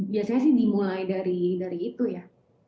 biasanya sih dimulai dari itu ya